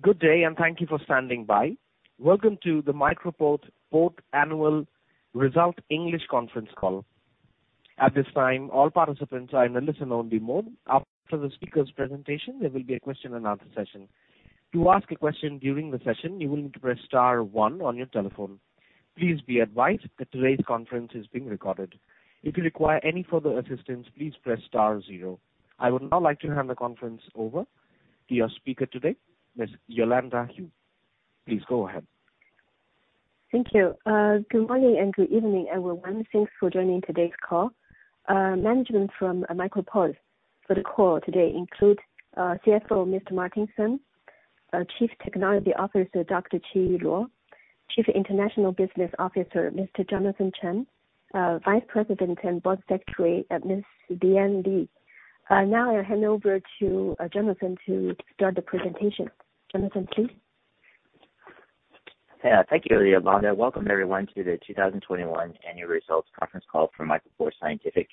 Good day, and thank you for standing by. Welcome to the MicroPort fourth annual results English conference call. At this time, all participants are in a listen-only mode. After the speaker's presentation, there will be a question and answer session. To ask a question during the session, you will need to press star one on your telephone. Please be advised that today's conference is being recorded. If you require any further assistance, please press star zero. I would now like to hand the conference over to your speaker today, Ms. Yolanda Hu. Please go ahead. Thank you. Good morning and good evening, everyone. Thanks for joining today's call. Management from MicroPort for the call today include CFO, Mr. Martin Sun, our Chief Technology Officer, Dr. Qiyi Luo, Chief International Business Officer, Mr. Jonathan Chen, Vice President and Board Secretary, Ms. Leanne Li. Now I'll hand over to Jonathan to start the presentation. Jonathan, please. Yeah. Thank you, Yolanda. Welcome everyone to the 2021 annual results conference call for MicroPort Scientific.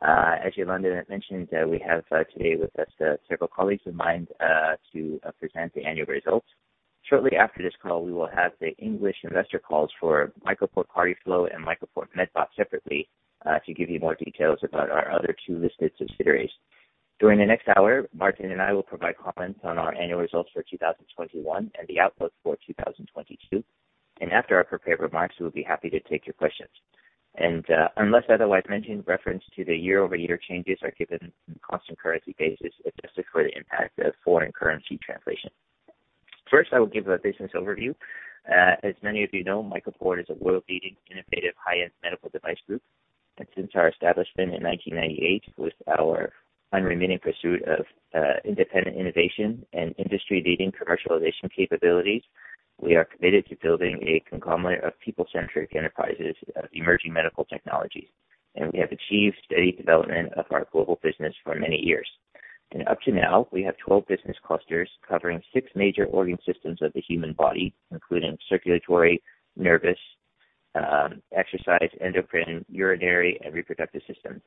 As Yolanda mentioned, we have today with us several colleagues of mine to present the annual results. Shortly after this call, we will have the English investor calls for MicroPort CardioFlow and MicroPort MedBot separately to give you more details about our other two listed subsidiaries. During the next hour, Martin and I will provide comments on our annual results for 2021 and the outlook for 2022. After our prepared remarks, we'll be happy to take your questions. Unless otherwise mentioned, reference to the year-over-year changes are given in constant currency basis, adjusted for the impact of foreign currency translation. First, I will give a business overview. As many of you know, MicroPort is a world-leading innovative high-end medical device group. Since our establishment in 1998, with our unremitting pursuit of independent innovation and industry-leading commercialization capabilities, we are committed to building a conglomerate of people-centric enterprises of emerging medical technologies. We have achieved steady development of our global business for many years. Up to now, we have 12 business clusters covering six major organ systems of the human body, including circulatory, nervous, exercise, endocrine, urinary, and reproductive systems.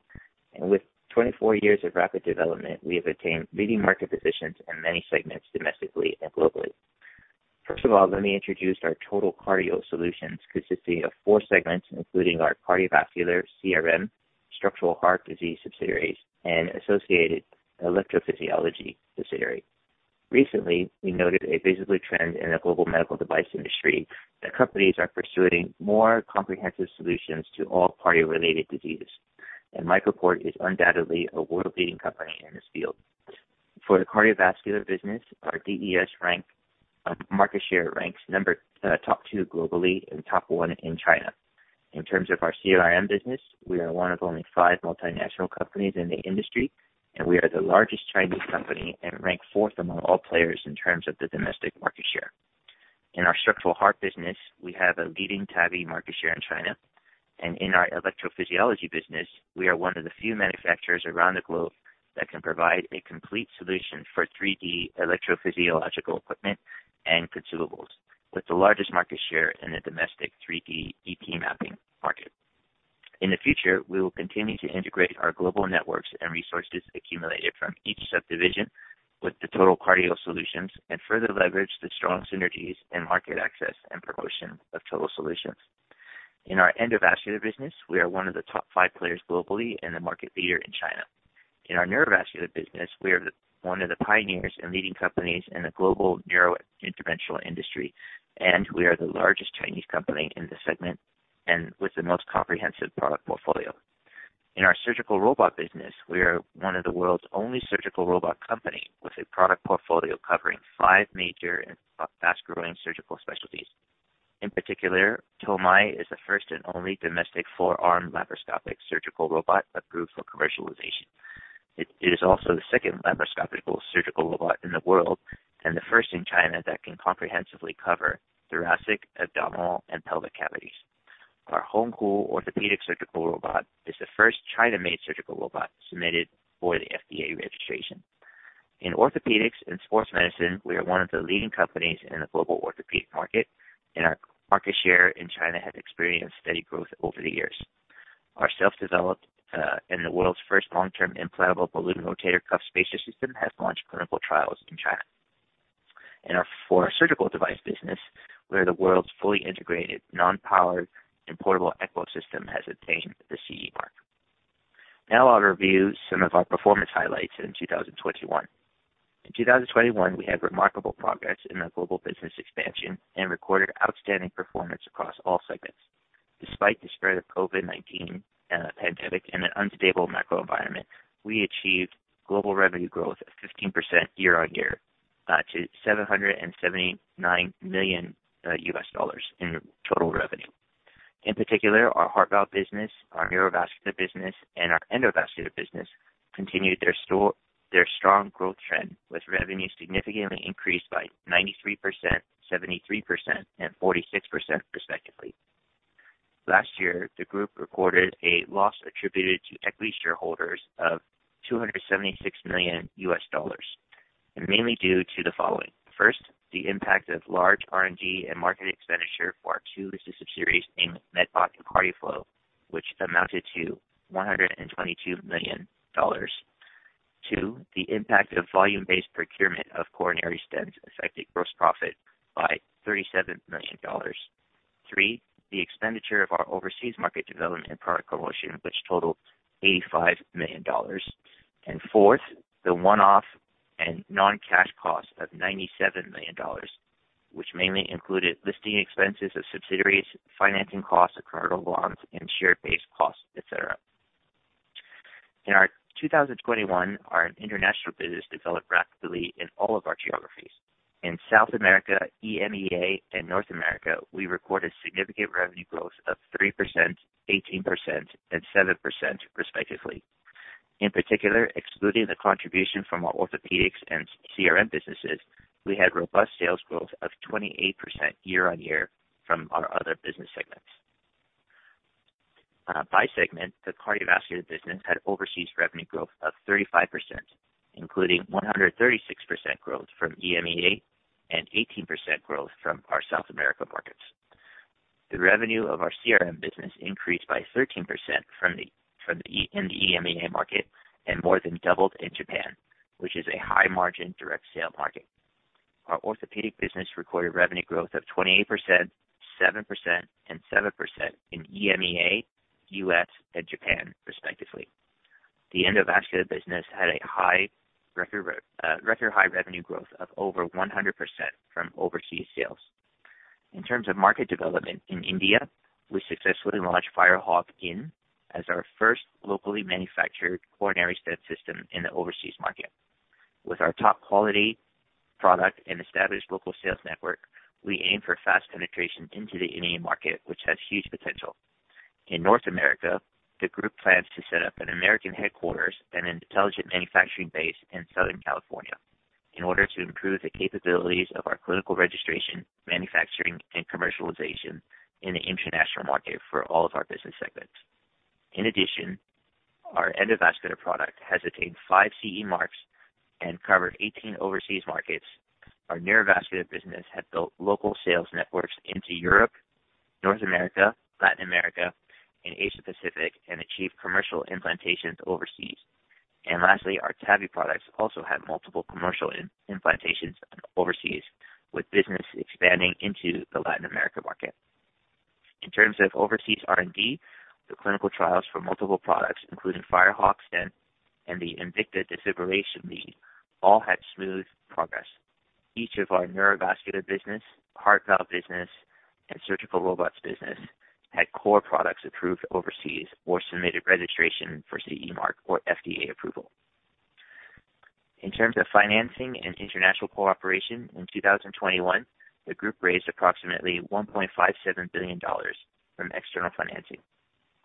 With 24 years of rapid development, we have attained leading market positions in many segments domestically and globally. First of all, let me introduce our total cardio solutions consisting of four segments, including our cardiovascular CRM, structural heart disease subsidiaries, and associated electrophysiology subsidiary. Recently, we noted a visible trend in the global medical device industry that companies are pursuing more comprehensive solutions to all cardio-related diseases, and MicroPort is undoubtedly a world-leading company in this field. For the cardiovascular business, our DES market share ranks number top two globally and top one in China. In terms of our CRM business, we are one of only five multinational companies in the industry, and we are the largest Chinese company and rank fourth among all players in terms of the domestic market share. In our structural heart business, we have a leading TAVI market share in China. In our electrophysiology business, we are one of the few manufacturers around the globe that can provide a complete solution for 3D electrophysiological equipment and consumables, with the largest market share in the domestic 3D EP mapping market. In the future, we will continue to integrate our global networks and resources accumulated from each subdivision with the total cardio solutions and further leverage the strong synergies in market access and promotion of total solutions. In our endovascular business, we are one of the top five players globally and the market leader in China. In our neurovascular business, we are one of the pioneers and leading companies in the global neurointerventional industry, and we are the largest Chinese company in this segment and with the most comprehensive product portfolio. In our surgical robot business, we are one of the world's only surgical robot company with a product portfolio covering five major and fast-growing surgical specialties. In particular, Toumai is the first and only domestic four-armed laparoscopic surgical robot approved for commercialization. It is also the second laparoscopic surgical robot in the world and the first in China that can comprehensively cover thoracic, abdominal, and pelvic cavities. Our Honghu orthopedic surgical robot is the first China-made surgical robot submitted for the FDA registration. In orthopedics and sports medicine, we are one of the leading companies in the global orthopedic market, and our market share in China has experienced steady growth over the years. Our self-developed, and the world's first long-term implantable balloon rotator cuff spacer system has launched clinical trials in China. In our surgical device business, where the world's fully integrated, non-powered and portable echo system has obtained the CE mark. Now I'll review some of our performance highlights in 2021. In 2021, we had remarkable progress in our global business expansion and recorded outstanding performance across all segments. Despite the spread of COVID-19 pandemic and an unstable macro environment, we achieved global revenue growth of 15% year-on-year to $779 million in total revenue. In particular, our Heart Valve business, our neurovascular business, and our endovascular business continued their strong growth trend with revenue significantly increased by 93%, 73%, and 46% respectively. Last year, the group recorded a loss attributed to equity shareholders of $276 million, and mainly due to the following. First, the impact of large R&D and market expenditure for our two listed subsidiaries, named MedBot and CardioFlow, which amounted to $122 million. Two, the impact of volume-based procurement of coronary stents affecting gross profit by $37 million. 3, the expenditure of our overseas market development and product promotion, which totaled $85 million. Fourth, the one-off and non-cash cost of $97 million, which mainly included listing expenses of subsidiaries, financing costs of convertible bonds, and share-based costs, et cetera. In our 2021, our international business developed rapidly in all of our geographies. In South America, EMEA, and North America, we recorded significant revenue growth of 3%, 18%, and 7% respectively. In particular, excluding the contribution from our orthopedics and CRM businesses, we had robust sales growth of 28% year-on-year from our other business segments. By segment, the cardiovascular business had overseas revenue growth of 35%, including 136% growth from EMEA and 18% growth from our South America markets. The revenue of our CRM business increased by 13% in the EMEA market and more than doubled in Japan, which is a high-margin direct sale market. Our orthopedic business recorded revenue growth of 28%, 7%, and 7% in EMEA, U.S., and Japan respectively. The endovascular business had a record high revenue growth of over 100% from overseas sales. In terms of market development in India, we successfully launched Firehawk as our first locally manufactured coronary stent system in the overseas market. With our top-quality product and established local sales network, we aim for fast penetration into the Indian market, which has huge potential. In North America, the group plans to set up an American headquarters and an intelligent manufacturing base in Southern California in order to improve the capabilities of our clinical registration, manufacturing, and commercialization in the international market for all of our business segments. In addition, our endovascular product has attained five CE marks and covered 18 overseas markets. Our neurovascular business had built local sales networks into Europe, North America, Latin America, and Asia Pacific and achieved commercial implantations overseas. Lastly, our TAVI products also have multiple commercial implantations overseas, with business expanding into the Latin America market. In terms of overseas R&D, the clinical trials for multiple products, including Firehawk Stent and the Invicta Defibrillation Lead, all had smooth progress. Each of our neurovascular business, heart valve business, and surgical robots business had core products approved overseas or submitted registration for CE mark or FDA approval. In terms of financing and international cooperation in 2021, the group raised approximately $1.57 billion from external financing.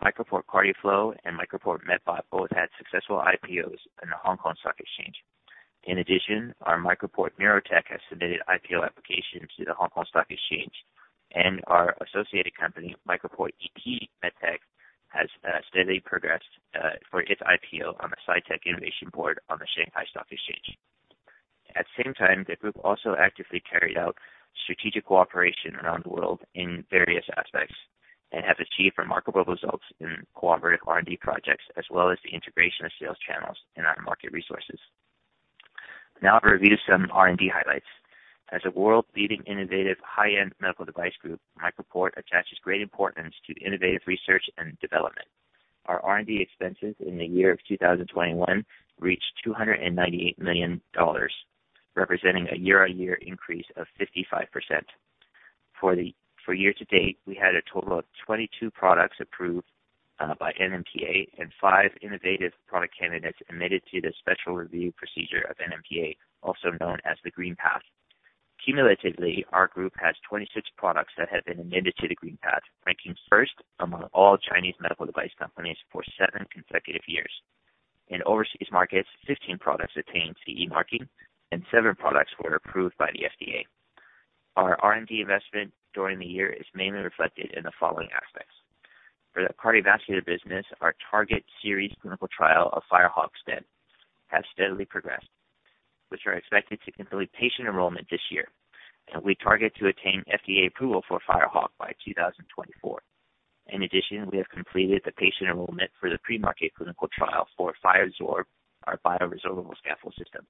MicroPort CardioFlow and MicroPort MedBot both had successful IPOs in the Hong Kong Stock Exchange. In addition, our MicroPort NeuroTech has submitted IPO application to the Hong Kong Stock Exchange, and our associated company, MicroPort EP MedTech, has steadily progressed for its IPO on the Sci-Tech Innovation Board on the Shanghai Stock Exchange. At the same time, the group also actively carried out strategic cooperation around the world in various aspects and have achieved remarkable results in cooperative R&D projects, as well as the integration of sales channels and our market resources. Now I'll review some R&D highlights. As a world-leading innovative high-end medical device group, MicroPort attaches great importance to innovative research and development. Our R&D expenses in the year of 2021 reached $298 million, representing a year-on-year increase of 55%. For year to date, we had a total of 22 products approved by NMPA and five innovative product candidates admitted to the special review procedure of NMPA, also known as the Green Path. Cumulatively, our group has 26 products that have been admitted to the Green Path, ranking first among all Chinese medical device companies for seven consecutive years. In overseas markets, 15 products attained CE marking and seven products were approved by the FDA. Our R&D investment during the year is mainly reflected in the following aspects. For the cardiovascular business, our TARGET series clinical trial of Firehawk Stent has steadily progressed, which is expected to complete patient enrollment this year, and we target to attain FDA approval for Firehawk by 2024. In addition, we have completed the patient enrollment for the pre-market clinical trial for Firesorb, our bioresorbable scaffold system,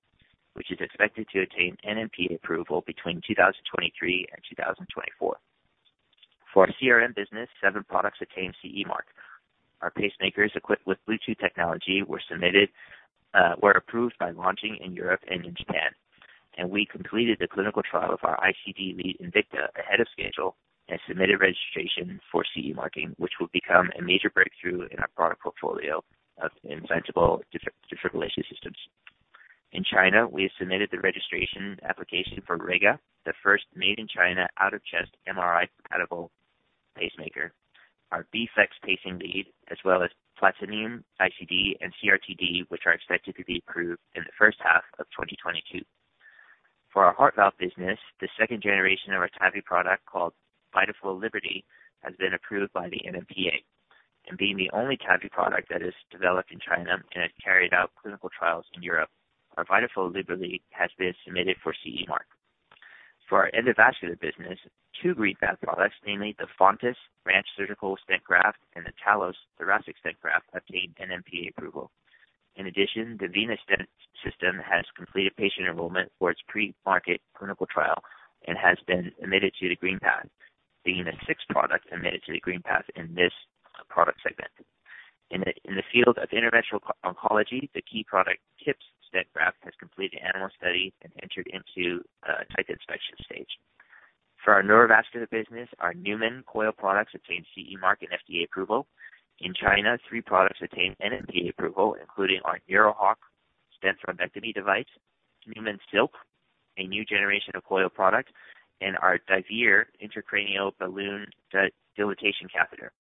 which is expected to attain NMPA approval between 2023 and 2024. For our CRM business, seven products attained CE mark. Our pacemakers equipped with Bluetooth technology were approved by launching in Europe and in Japan, and we completed the clinical trial of our ICD lead Invicta ahead of schedule and submitted registration for CE marking, which will become a major breakthrough in our product portfolio of implantable defibrillation systems. In China, we have submitted the registration application for Rega, the first made-in-China out-of-chest MRI compatible pacemaker. Our Beflex pacing lead as well as Platinium ICD and CRT-D, which are expected to be approved in the first half of 2022. For our heart valve business, the second generation of our TAVI product, called VitaFlow Liberty, has been approved by the NMPA. Being the only TAVI product that is developed in China and has carried out clinical trials in Europe, our VitaFlow Liberty has been submitted for CE mark. For our endovascular business, two Green Path products, namely the Fontus branch surgical stent graft and the Talos thoracic stent graft, obtained NMPA approval. In addition, the venous stent system has completed patient enrollment for its pre-market clinical trial and has been admitted to the Green Path, being the sixth product admitted to the Green Path in this product segment. In the field of interventional oncology, the key product TIPS stent graft has completed animal studies and entered into a type inspection stage. For our neurovascular business, our Numen coil products obtained CE mark and FDA approval. In China, three products obtained NMPA approval, including our Neurohawk stent thrombectomy device, Numen Silk, a new generation of coil product, and our Diveer intracranial balloon dilatation catheter.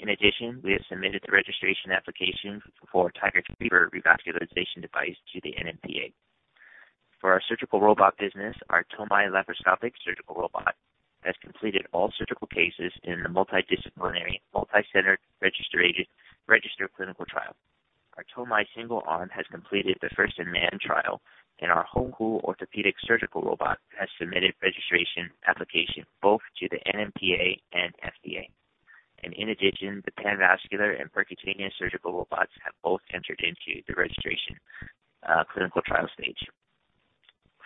In addition, we have submitted the registration application for Tigertriever revascularization device to the NMPA. For our surgical robot business, our Toumai laparoscopic surgical robot has completed all surgical cases in the multidisciplinary, multicentered registrational clinical trial. Our Toumai single arm has completed the first-in-man trial, and our Honghu orthopedic surgical robot has submitted registration application both to the NMPA and FDA. In addition, the peripheral vascular and percutaneous surgical robots have both entered into the registration clinical trial stage.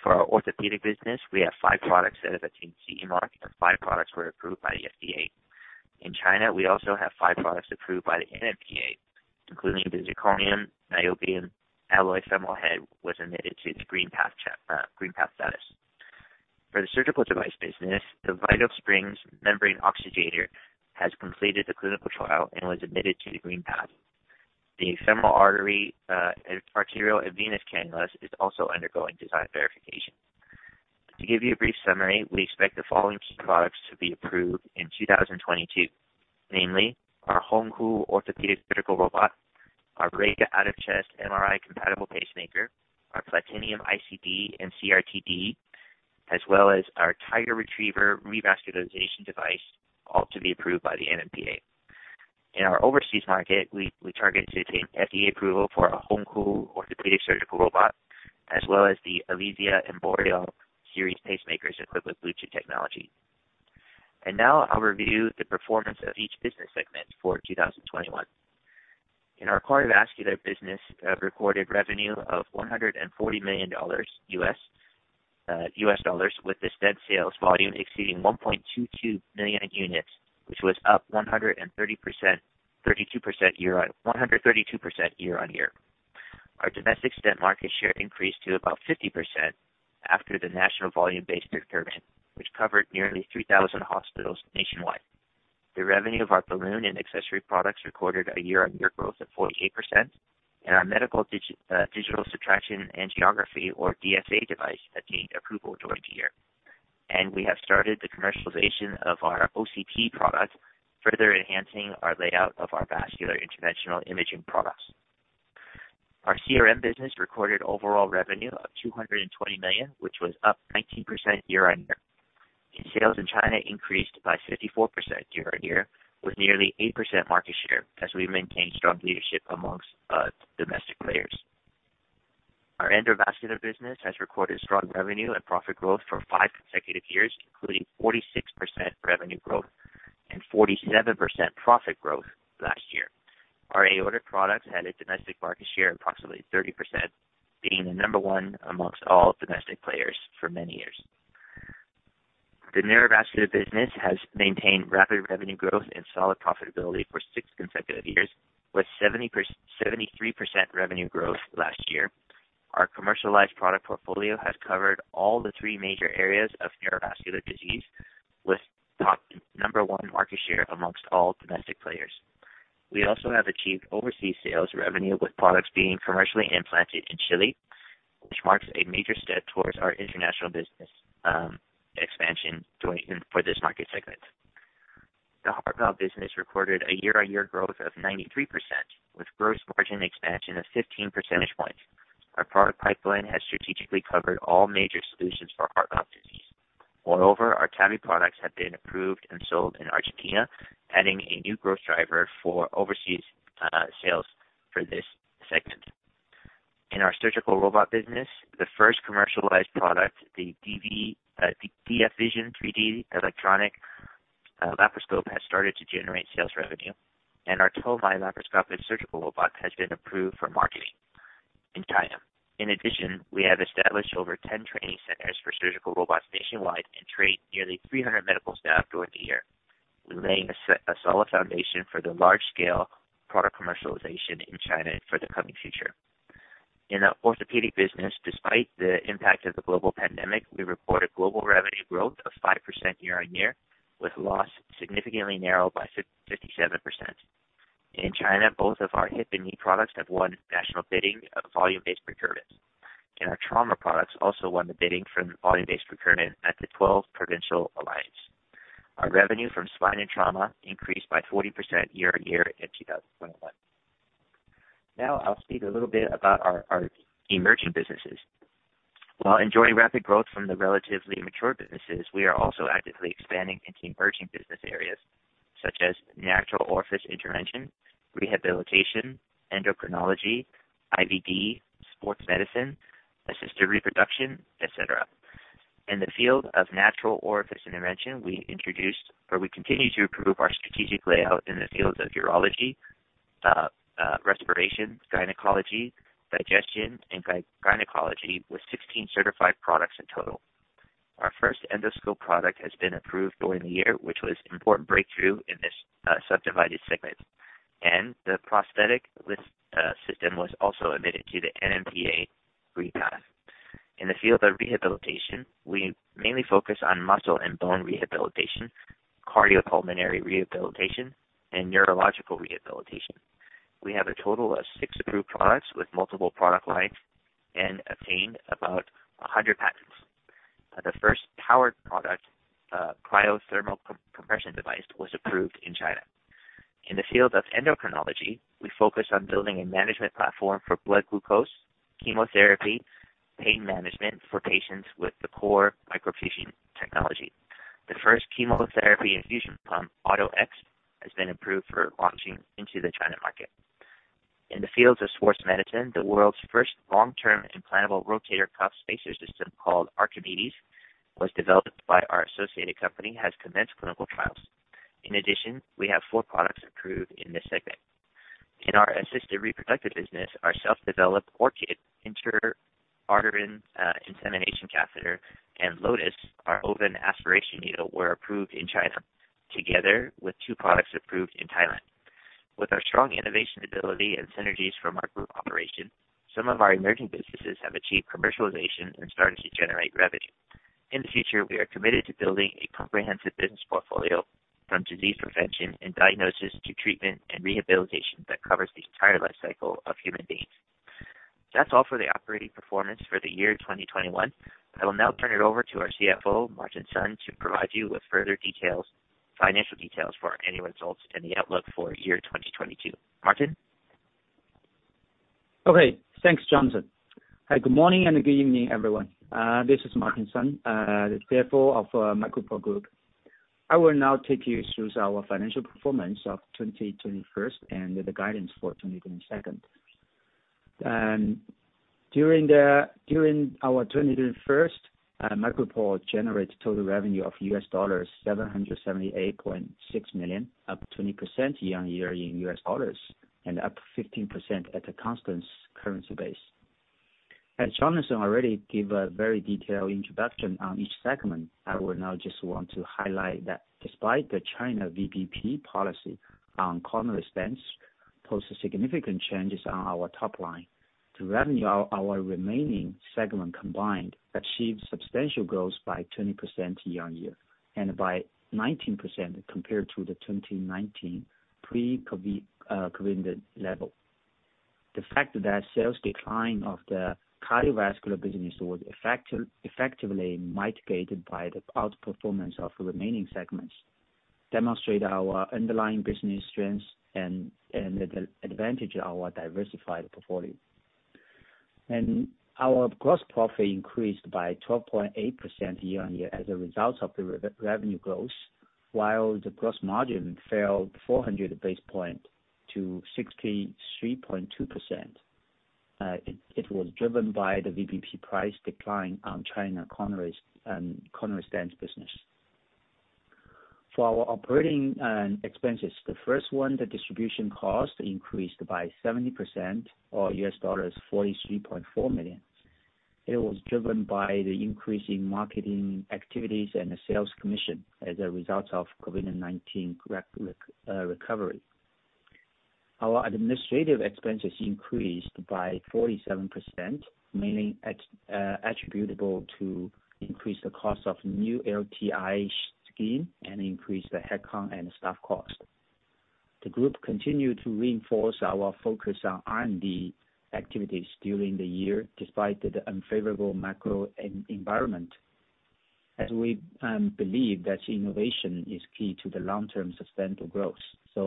For our orthopedic business, we have five products that have attained CE mark, and five products were approved by the FDA. In China, we also have five products approved by the NMPA, including the zirconium niobium alloy femoral head was admitted to the Green Path status. For the surgical device business, the Vitasprings membrane oxygenator has completed the clinical trial and was admitted to the Green Path. The femoral artery arterial and venous cannulas is also undergoing design verification. To give you a brief summary, we expect the following key products to be approved in 2022, namely our Honghu orthopedic surgical robot, our Rega out-of-chest MRI compatible pacemaker, our Platinium ICD and CRT-D, as well as our Tigertriever revascularization device, all to be approved by the NMPA. In our overseas market, we target to obtain FDA approval for our Honghu orthopedic surgical robot, as well as the Alizea and Borea series pacemakers equipped with Bluetooth technology. I'll review the performance of each business segment for 2021. In our cardiovascular business, recorded revenue of $140 million, with the stent sales volume exceeding 1.22 million units, which was up 132% year-on-year. Our domestic stent market share increased to about 50% after the national volume-based procurement, which covered nearly 3,000 hospitals nationwide. The revenue of our balloon and accessory products recorded a year-on-year growth of 48%, and our medical digital subtraction angiography, or DSA device, obtained approval during the year. We have started the commercialization of our OCT product, further enhancing our layout of our vascular interventional imaging products. Our CRM business recorded overall revenue of 220 million, which was up 19% year-on-year. Sales in China increased by 54% year-on-year, with nearly 8% market share as we maintain strong leadership amongst domestic players. Our endovascular business has recorded strong revenue and profit growth for 5 consecutive years, including 46% revenue growth and 47% profit growth last year. Our aortic products had a domestic market share of approximately 30%, being the number one amongst all domestic players for many years. The Neurovascular business has maintained rapid revenue growth and solid profitability for six consecutive years, with 73% revenue growth last year. Our commercialized product portfolio has covered all the 3 major areas of neurovascular disease, with number one market share amongst all domestic players. We also have achieved overseas sales revenue, with products being commercially implanted in Chile, which marks a major step towards our international business expansion for this market segment. The Heart Valve business recorded a year-on-year growth of 93%, with gross margin expansion of 15 percentage points. Our product pipeline has strategically covered all major solutions for heart valve disease. Moreover, our TAVI products have been approved and sold in Argentina, adding a new growth driver for overseas sales for this segment. In our surgical robot business, the first commercialized product, the DFVision 3D electronic laparoscope, has started to generate sales revenue, and our Toumai laparoscopic surgical robot has been approved for marketing in China. In addition, we have established over 10 training centers for surgical robots nationwide and trained nearly 300 medical staff during the year, laying a solid foundation for the large scale product commercialization in China for the coming future. In the orthopedic business, despite the impact of the global pandemic, we reported global revenue growth of 5% year-on-year, with loss significantly narrowed by 57%. In China, both of our hip and knee products have won national bidding, volume-based procurement, and our trauma products also won the bidding for volume-based procurement at the 12 provincial alliance. Our revenue from spine and trauma increased by 40% year-on-year in 2021. Now, I'll speak a little bit about our emerging businesses. While enjoying rapid growth from the relatively mature businesses, we are also actively expanding into emerging business areas, such as natural orifice intervention, rehabilitation, endocrinology, IVD, sports medicine, assisted reproduction, etc. In the field of natural orifice intervention, we introduced or we continue to improve our strategic layout in the fields of urology, respiration, gynecology, digestion, and gynecology with 16 certified products in total. Our first endoscope product has been approved during the year, which was important breakthrough in this subdivided segment. The prosthetic wrist system was also admitted to the NMPA Green Path. In the field of rehabilitation, we mainly focus on muscle and bone rehabilitation, cardiopulmonary rehabilitation, and neurological rehabilitation. We have a total of six approved products with multiple product lines and obtained about 100 patents. The first powered product, cryothermal compression device, was approved in China. In the field of endocrinology, we focus on building a management platform for blood glucose, chemotherapy, pain management for patients with the core microfusion technology. The first chemotherapy infusion pump, AutoEx, has been approved for launching into the China market. In the fields of sports medicine, the world's first long-term implantable rotator cuff spacer system called Archimedes was developed by our associated company and has commenced clinical trials. In addition, we have four products approved in this segment. In our assisted reproductive business, our self-developed Orkid intrauterine insemination catheter and Lotus, our ovum aspiration needle, were approved in China, together with two products approved in Thailand. With our strong innovation ability and synergies from our group operation, some of our emerging businesses have achieved commercialization and started to generate revenue. In the future, we are committed to building a comprehensive business portfolio from disease prevention and diagnosis to treatment and rehabilitation that covers the entire life cycle of human beings. That's all for the operating performance for the year 2021. I will now turn it over to our CFO, Martin Sun, to provide you with further details, financial details for our annual results and the outlook for year 2022. Martin? Okay, thanks, Jonathan. Hi, good morning and good evening, everyone. This is Martin Sun, the CFO of MicroPort Group. I will now take you through our financial performance of 2021 and the guidance for 2022. During our 2021, MicroPort generated total revenue of $778.6 million, up 20% year-on-year in US dollars, and up 15% at a constant currency base. As Jonathan DeDomenico already gave a very detailed introduction on each segment, I will now just want to highlight that despite the China VBP policy on coronary stents posed significant changes on our top line, the revenue of our remaining segment combined achieved substantial growth by 20% year-on-year, and by 19% compared to the 2019 pre-COVID level. The fact that sales decline of the cardiovascular business was effectively mitigated by the outperformance of the remaining segments demonstrates our underlying business strengths and the advantage of our diversified portfolio. Our gross profit increased by 12.8% year-on-year as a result of the revenue growth, while the gross margin fell 400 basis points to 63.2%. It was driven by the VBP price decline on China coronary stents business. For our operating expenses, the first one, the distribution cost increased by 70% or $43.4 million. It was driven by the increase in marketing activities and the sales commission as a result of COVID-19 recovery. Our administrative expenses increased by 47%, mainly attributable to increase the cost of new LTI scheme and increase the head count and staff cost. The group continued to reinforce our focus on R&D activities during the year, despite the unfavorable macro environment, as we believe that innovation is key to the long-term sustainable growth.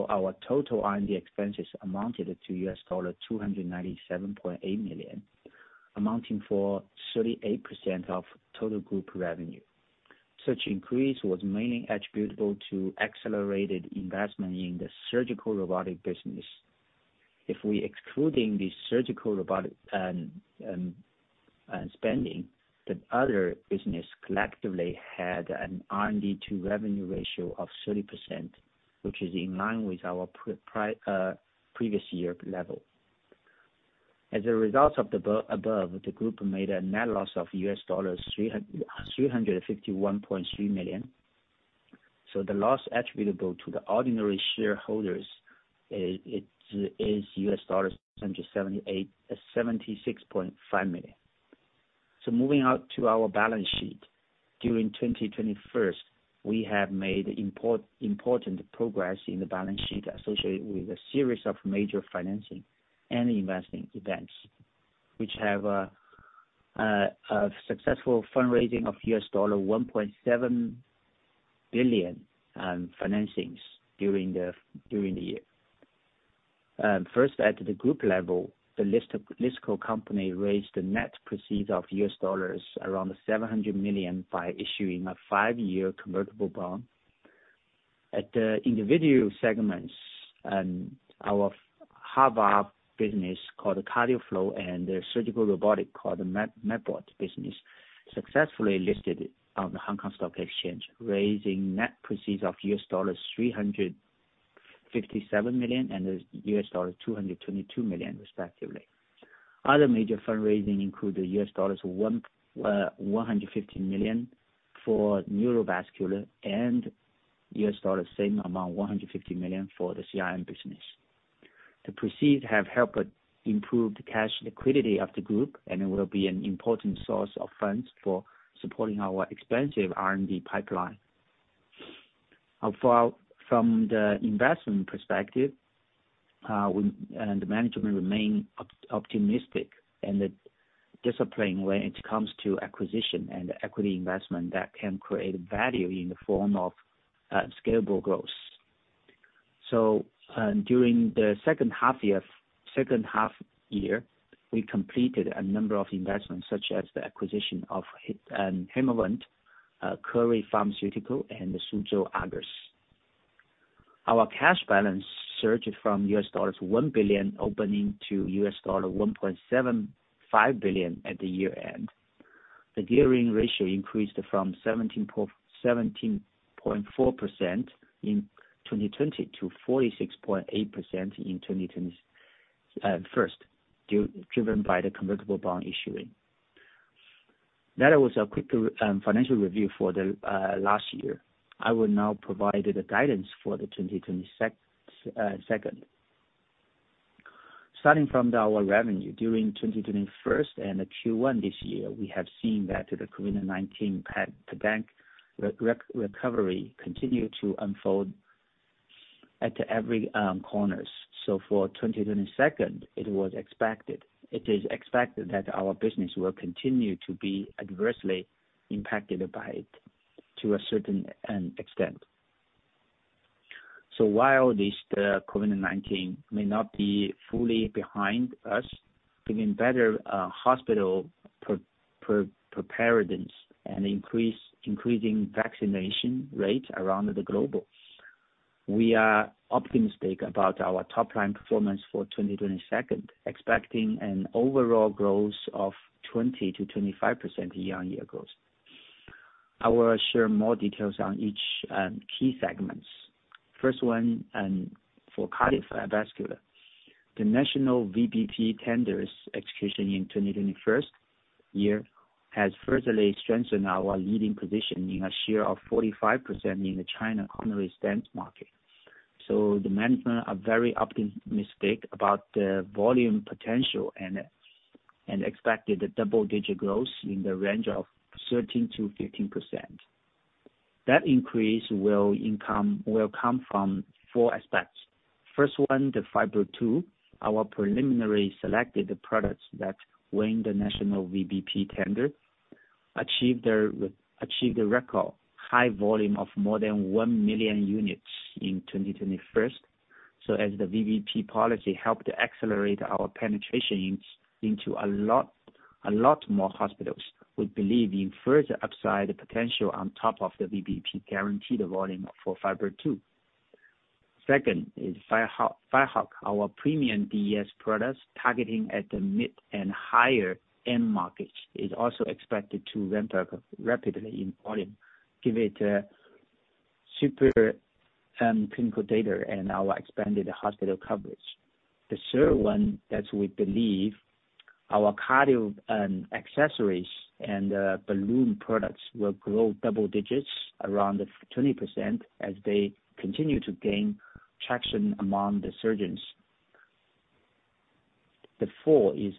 Our total R&D expenses amounted to $297.8 million, amounting to 38% of total group revenue. Such increase was mainly attributable to accelerated investment in the surgical robotic business. If we excluding the surgical robotic spending, the other business collectively had an R&D to revenue ratio of 30%, which is in line with our previous year level. As a result of the above, the group made a net loss of $351.3 million. The loss attributable to the ordinary shareholders is $76.5 million. Moving on to our balance sheet. During 2021, we have made important progress in the balance sheet associated with a series of major financing and investing events, which have a successful fundraising of $1.7 billion, financings during the year. First at the group level, the Listco company raised the net proceeds of around $700 million by issuing a five-year convertible bond. At the individual segments, our heart valve business called CardioFlow, and the surgical robotic called the MedBot business successfully listed on the Hong Kong Stock Exchange, raising net proceeds of $357 million, and $222 million respectively. Other major fundraising include the $150 million for neurovascular and $150 million for the CRM business. The proceeds have helped improve the cash liquidity of the group and will be an important source of funds for supporting our expansive R&D pipeline. From the investment perspective, we and the management remain optimistic and the discipline when it comes to acquisition and equity investment that can create value in the form of scalable growth. During the second half year, we completed a number of investments, such as the acquisition of Hemovent, Kerui Pharmaceutical and the Suzhou Argus. Our cash balance surged from $1 billion opening to $1.75 billion at the year-end. The gearing ratio increased from 17.4% in 2020 to 46.8% in 2021, driven by the convertible bond issuing. That was a quick financial review for the last year. I will now provide the guidance for 2022. Starting from our revenue, during 2021 and the Q1 this year, we have seen that the COVID-19 pandemic recovery continued to unfold at every corners. For 2022, it was expected. It is expected that our business will continue to be adversely impacted by it to a certain extent. While the COVID-19 may not be fully behind us, bringing better hospital preparedness and increasing vaccination rates around the globe, we are optimistic about our top line performance for 2022, expecting an overall growth of 20%-25% year-on-year. I will share more details on each key segments. First one for cardiovascular. The national VBP tenders execution in 2021 has further strengthened our leading position with a share of 45% in the China coronary stent market. The management are very optimistic about the volume potential and expected a double-digit growth in the range of 13%-15%. That increase in income will come from four aspects. First one, the Firehawk, our previously selected products that won the national VBP tender, achieved a record high volume of more than 1 million units in 2021. As the VBP policy helped accelerate our penetration into a lot more hospitals, we believe in further upside potential on top of the VBP guaranteed volume for Firehawk. Second is Firehawk, our premium DES products targeting at the mid and higher-end markets, is also expected to ramp up rapidly in volume, given its superior clinical data and our expanded hospital coverage. The third one that we believe our cardio accessories and balloon products will grow double digits around the 20% as they continue to gain traction among the surgeons. The fourth is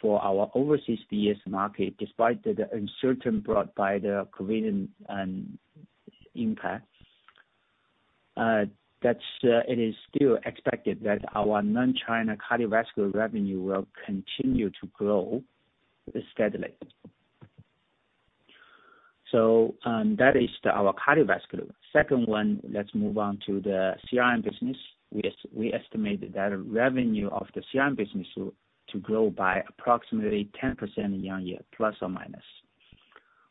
for our overseas DES market, despite the uncertainty brought by the COVID and impact, it is still expected that our non-China cardiovascular revenue will continue to grow steadily. That is our cardiovascular. Second one, let's move on to the CRM business. We estimate that revenue of the CRM business will grow by approximately 10% year-on-year, plus or minus.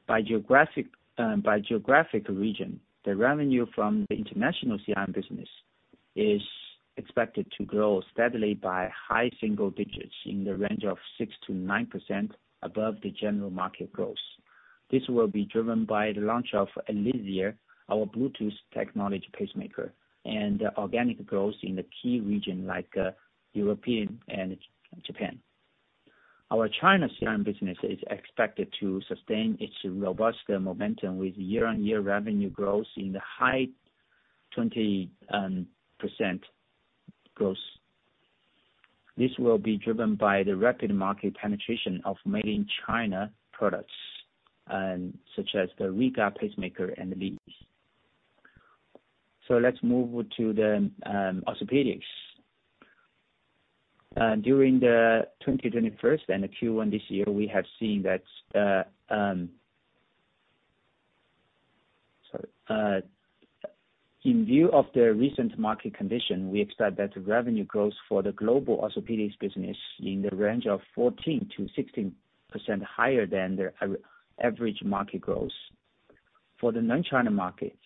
By geographic region, the revenue from the international CRM business is expected to grow steadily by high single digits in the range of 6%-9% above the general market growth. This will be driven by the launch of Alizea, our Bluetooth technology pacemaker, and organic growth in the key region like Europe and Japan. Our China CRM business is expected to sustain its robust momentum with year-on-year revenue growth in the high 20s %. This will be driven by the rapid market penetration of made-in-China products, such as the Rega pacemaker and leads. Let's move to the orthopedics. During 2021 and the Q1 this year, in view of the recent market condition, we expect that revenue growth for the global orthopedics business in the range of 14%-16% higher than the average market growth. For the non-China markets,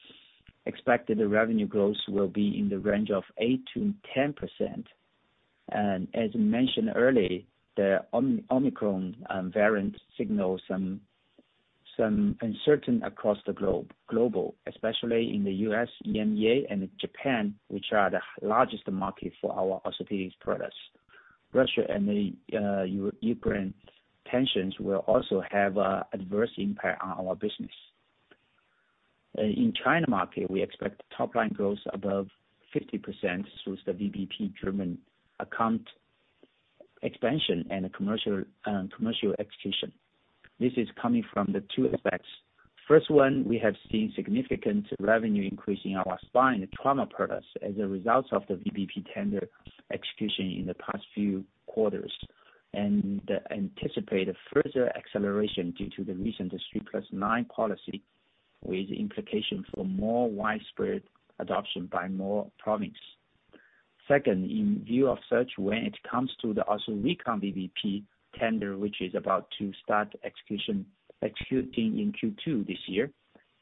we expect the revenue growth will be in the range of 8%-10%. As mentioned earlier, the Omicron variant signals some uncertainty across the globe, especially in the U.S., EMEA and Japan, which are the largest market for our orthopedics products. Russia and the Ukraine tensions will also have an adverse impact on our business. In China market, we expect top line growth above 50% through the VBP driven account expansion and commercial execution. This is coming from the two effects. First one, we have seen significant revenue increase in our spine trauma products as a result of the VBP tender execution in the past few quarters, and anticipate a further acceleration due to the recent three plus nine policy with implication for more widespread adoption by more provinces. Second, in view of such, when it comes to the Ortho Recon VBP tender, which is about to start execution in Q2 this year,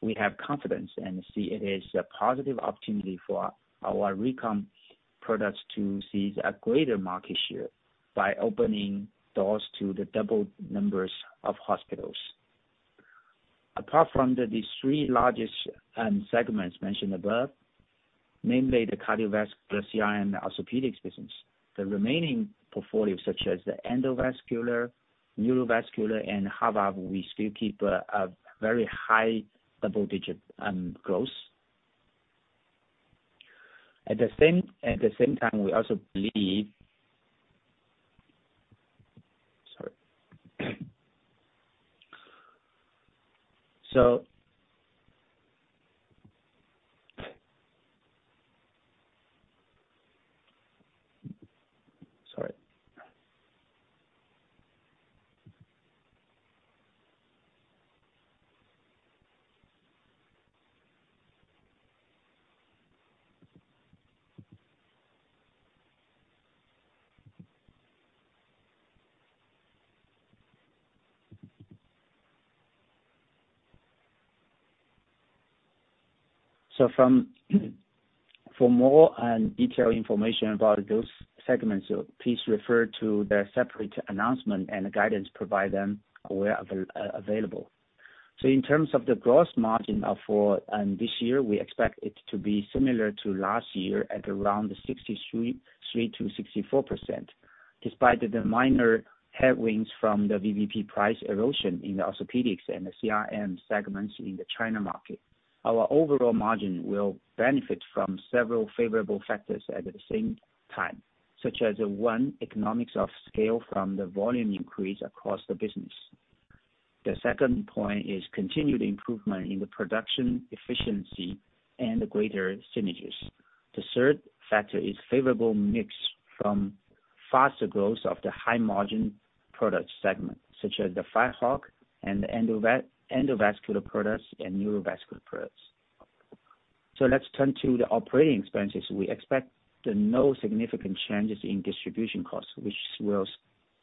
we have confidence and see it as a positive opportunity for our Recon products to seize a greater market share by opening doors to the double numbers of hospitals. Apart from these three largest segments mentioned above, namely the cardiovascular, CRM, orthopedics business, the remaining portfolio such as the endovascular, neurovascular and Havard, we still keep a very high double-digit growth. At the same time, for more detailed information about those segments, please refer to their separate announcement and guidance provided where available. In terms of the gross margin for this year, we expect it to be similar to last year at around 63.3%-64%. Despite the minor headwinds from the VBP price erosion in the orthopedics and the CRM segments in the China market, our overall margin will benefit from several favorable factors at the same time, such as one, economies of scale from the volume increase across the business. The second point is continued improvement in the production efficiency and greater synergies. The third factor is favorable mix from faster growth of the high margin product segment, such as the Firehawk and the endovascular products and neurovascular products. Let's turn to the operating expenses. We expect no significant changes in distribution costs, which will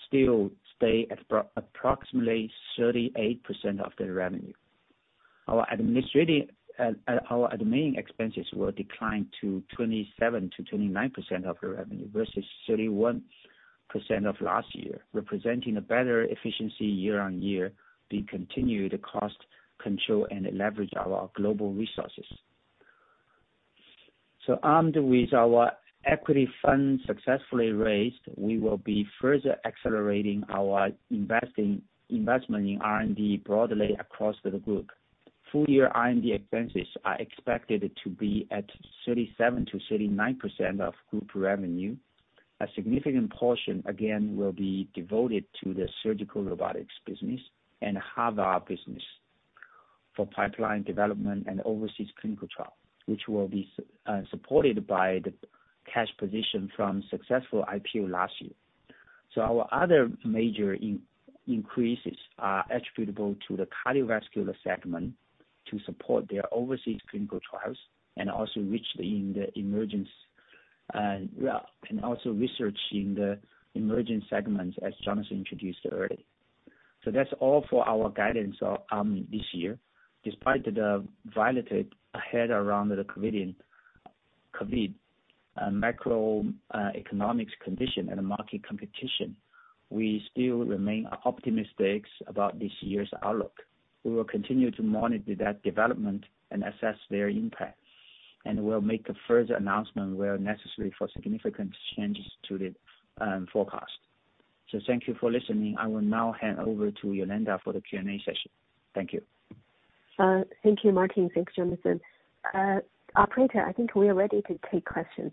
still stay at approximately 38% of the revenue. Our administrative, our admin expenses will decline to 27%-29% of the revenue versus 31% of last year, representing a better efficiency year on year, we continue the cost control and leverage our global resources. Armed with our equity fund successfully raised, we will be further accelerating our investment in R&D broadly across the group. Full year R&D expenses are expected to be at 37%-39% of group revenue. A significant portion again will be devoted to the surgical robotics business and R&D business for pipeline development and overseas clinical trial, which will be supported by the cash position from successful IPO last year. Our other major increases are attributable to the cardiovascular segment to support their overseas clinical trials and also R&D in the emerging and also research in the emerging segments, as Jonathan Chen introduced earlier. That's all for our guidance on this year. Despite the volatility ahead around the COVID-19, COVID, macroeconomic conditions and market competition, we still remain optimistic about this year's outlook. We will continue to monitor that development and assess their impact, and we'll make a further announcement where necessary for significant changes to the forecast. Thank you for listening. I will now hand over to Yolanda Hu for the Q&A session. Thank you. Thank you, Martin. Thanks, Jonathan. Operator, I think we are ready to take questions.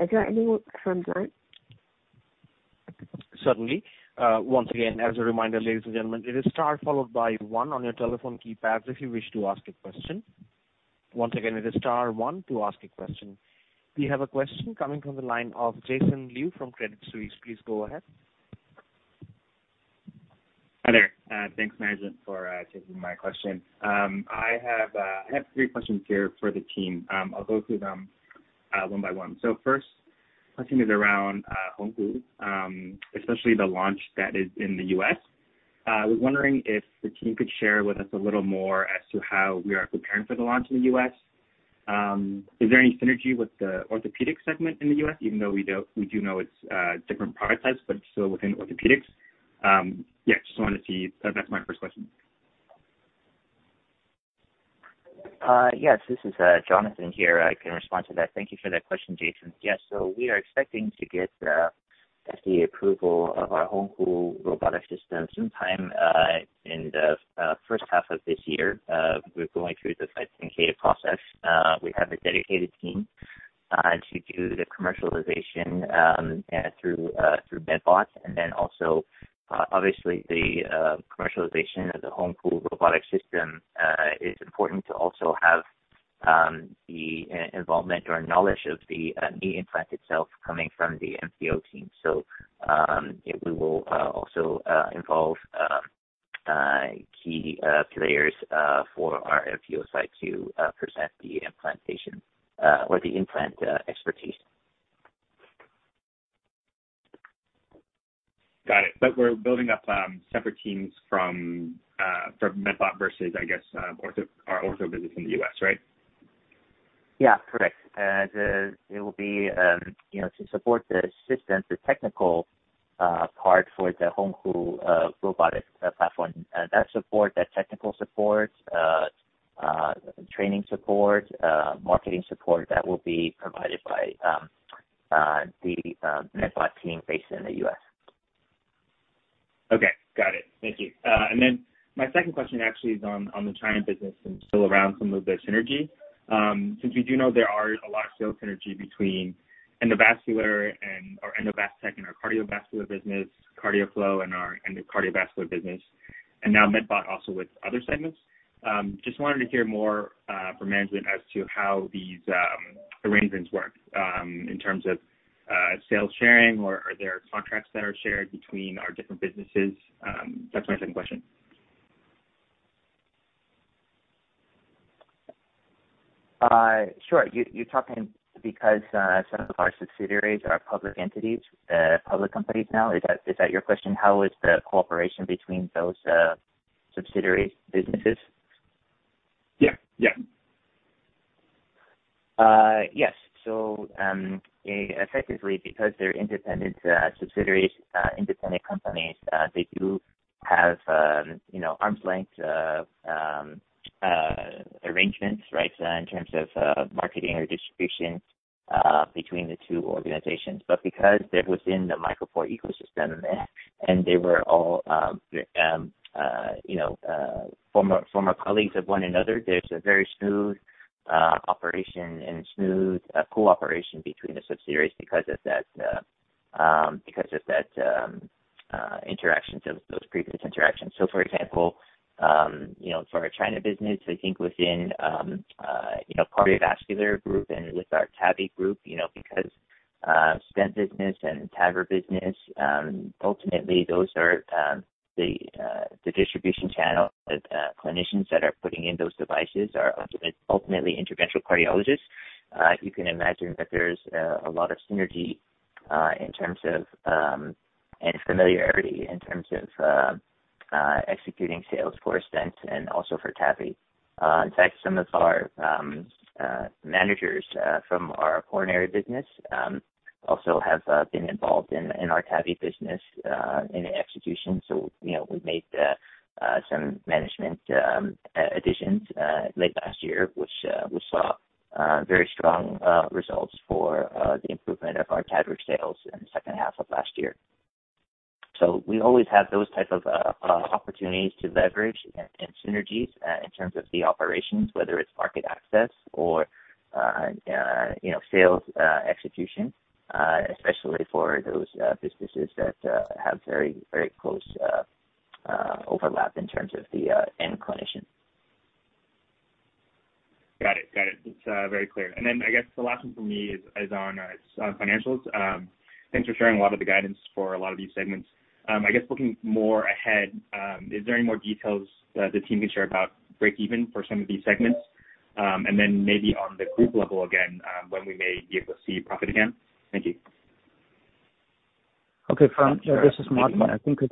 Is there anyone on line? Certainly. Once again, as a reminder, ladies and gentlemen, it is star followed by one on your telephone keypads if you wish to ask a question. Once again, it is star one to ask a question. We have a question coming from the line of Jason Liu from Credit Suisse. Please go ahead. Hi there. Thanks management for taking my question. I have three questions here for the team. I'll go through them one by one. First question is around Honghu, especially the launch that is in the U.S. I was wondering if the team could share with us a little more as to how we are preparing for the launch in the U.S. Is there any synergy with the orthopedic segment in the U.S. even though we know it's different product types but still within orthopedics? Yeah, just wanted to see. That's my first question. Yes, this is Jonathan here. I can respond to that. Thank you for that question, Jason. Yes. We are expecting to get the approval of our Honghu robotic system sometime in the first half of this year. We're going through the 510(k) process. We have a dedicated team to do the commercialization through MedBot. Obviously the commercialization of the Honghu robotic system is important to also have the involvement or knowledge of the knee implant itself coming from the MPO team. We will also involve key players for our MPO site to present the implantation or the implant expertise. Got it. We're building up separate teams from MedBot versus, I guess, ortho, our ortho business in the U.S., right? Yeah. Correct. It will be, you know, to support the system, the technical part for the Honghu robotic platform. That technical support, training support, marketing support, that will be provided by the MedBot team based in the U.S. Okay. Got it. Thank you. My second question actually is on the China business and still around some of the synergy. Since we do know there are a lot of sales synergy between Endovastec and our Endovastec and our cardiovascular business, CardioFlow and our Endovastec business, and now MedBot also with other segments. Just wanted to hear more from management as to how these arrangements work in terms of sales sharing or are there contracts that are shared between our different businesses. That's my second question. Sure. You're talking because some of our subsidiaries are public entities, public companies now, is that your question? How is the cooperation between those subsidiary businesses? Yeah. Yeah. Yes. Effectively because they're independent subsidiaries, independent companies, they do have, you know, arm's length arrangements, right, in terms of marketing or distribution between the two organizations. Because they're within the MicroPort ecosystem and they were all former colleagues of one another, there's a very smooth operation and smooth cooperation between the subsidiaries because of that, interactions of those previous interactions. For example, you know, for our China business, I think within you know cardiovascular group and with our TAVI group, you know, because stent business and TAVR business, ultimately those are the distribution channel. The clinicians that are putting in those devices are ultimately interventional cardiologists. You can imagine that there's a lot of synergy and familiarity in terms of executing sales for stents and also for TAVI. In fact, some of our managers from our coronary business also have been involved in our TAVI business in the execution. You know, we made some management additions late last year, which we saw very strong results for the improvement of our TAVR sales in the second half of last year. We always have those type of opportunities to leverage and synergies in terms of the operations, whether it's market access or, you know, sales execution, especially for those businesses that have very close overlap in terms of the end clinician. Got it. It's very clear. I guess the last one for me is on financials. Thanks for sharing a lot of the guidance for a lot of these segments. I guess looking more ahead, is there any more details that the team can share about break even for some of these segments? Maybe on the group level again, when we may be able to see profit again. Thank you. Okay. Sure. This is Martin, and thank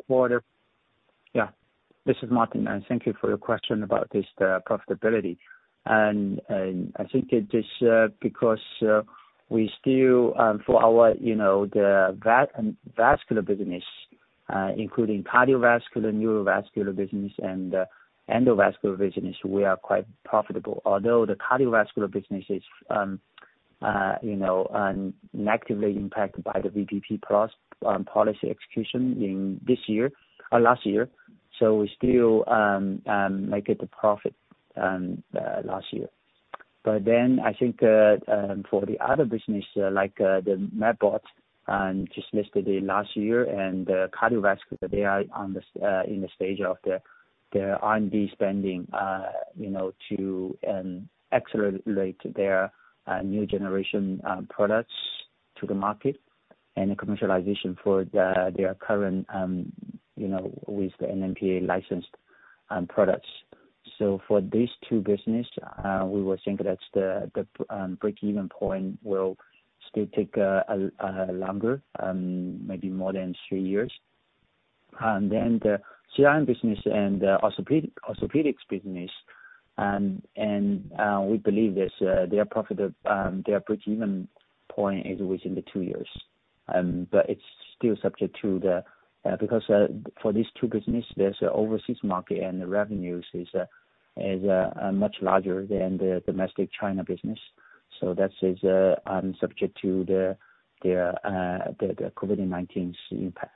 you for your question about this, the profitability. I think it is because we still, for our, you know, the vascular business, including cardiovascular, neurovascular business and endovascular business, we are quite profitable. Although the cardiovascular business is, you know, negatively impacted by the VBP Plus policy execution in this year or last year, so we still make a profit last year. I think for the other business, like, the MedBot just listed last year and cardiovascular, they are in the stage of their R&D spending, you know, to accelerate their new generation products to the market and the commercialization for their current, you know, with the NMPA licensed products. For these two business, we would think that's the breakeven point will still take a longer, maybe more than three years. The CI business and orthopedics business, and we believe this they are profitable, their breakeven point is within the two years. But it's still subject to the... Because for these two business, there's overseas market and the revenues is much larger than the domestic China business. This is subject to the COVID-19's impact.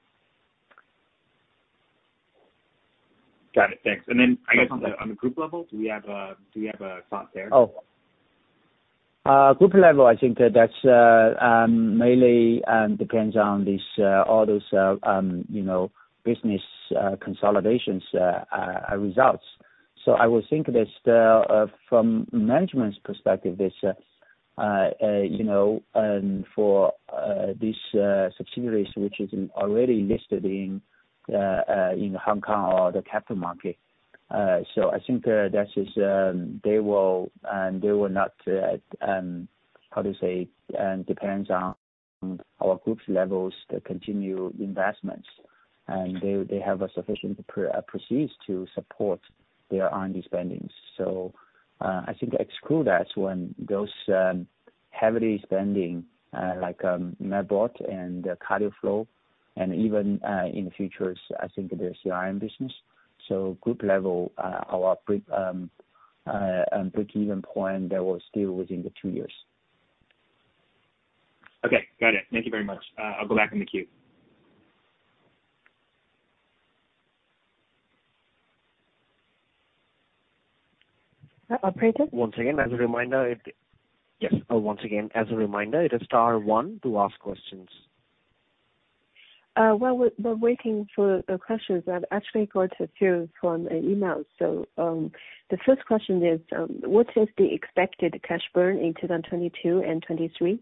Got it. Thanks. I guess on the group level, do we have a thought there? Group level, I think that's mainly depends on this all those you know business consolidations results. I would think that from management's perspective, it's you know and for this subsidiaries which is already listed in Hong Kong or the capital market. I think this is they will not how to say? Depends on our groups levels to continue investments. They have a sufficient proceeds to support their R&D spendings. I think exclude us when those heavily spending like MedBot and the CardioFlow, and even in the future, I think their CI business. Group level, our breakeven point that was still within the two years. Okay. Got it. Thank you very much. I'll go back in the queue. Operator. Once again, as a reminder, it is star one to ask questions. While we're waiting for the questions, I've actually got a few from email. The first question is, what is the expected cash burn in 2022 and 2023?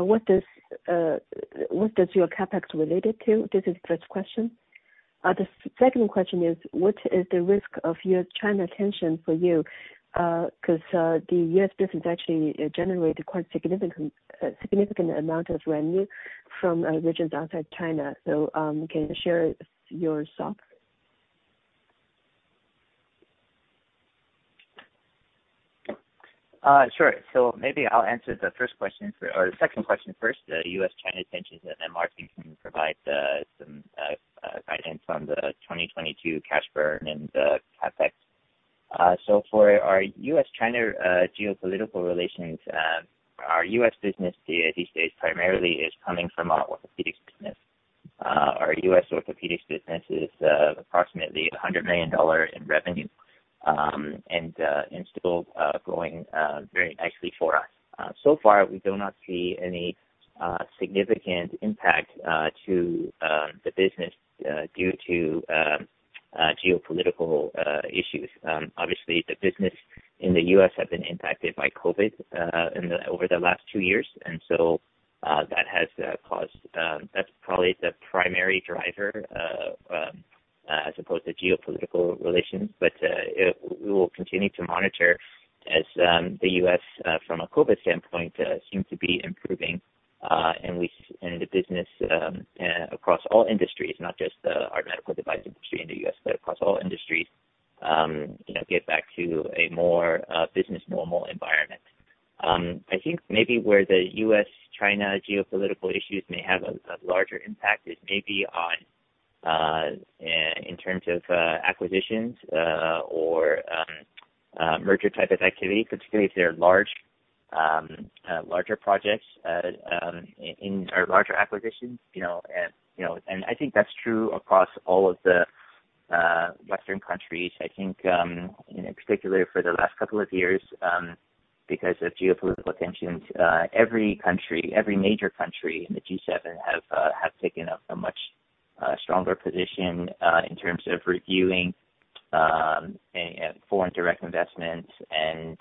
What does your CapEx relate to? This is first question. The second question is, what is the risk of U.S.-China tension for you? 'Cause the U.S. business actually generated quite a significant amount of revenue from regions outside China. Can you share your thought? Sure. Maybe I'll answer the first question or the second question first, the U.S.-China tensions, and Martin can provide some guidance on the 2022 cash burn and the CapEx. For our U.S.-China geopolitical relations, our U.S. business these days primarily is coming from our orthopedics business. Our U.S. orthopedics business is approximately $100 million in revenue, and still growing very nicely for us. So far, we do not see any significant impact to the business due to geopolitical issues. Obviously, the business in the U.S. have been impacted by COVID over the last two years. That has caused, that's probably the primary driver as opposed to geopolitical relations. We will continue to monitor as the U.S. from a COVID standpoint seems to be improving, and the business across all industries, not just our medical device industry in the U.S., but across all industries, you know, get back to a more business normal environment. I think maybe where the U.S.-China geopolitical issues may have a larger impact is maybe on, in terms of, acquisitions or merger type of activity, particularly if they're larger projects or larger acquisitions. You know, I think that's true across all of the Western countries. I think, you know, particularly for the last couple of years, because of geopolitical tensions, every country, every major country in the G7 have taken up a much stronger position in terms of reviewing foreign direct investments and